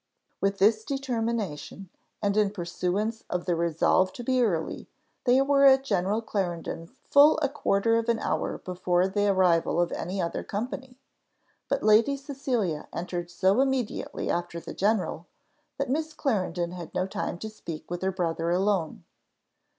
With this determination, and in pursuance of the resolve to be early, they were at General Clarendon's full a quarter of an hour before the arrival of any other company; but Lady Cecilia entered so immediately after the general, that Miss Clarendon had no time to speak with her brother alone.